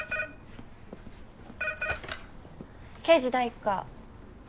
刑事第一課。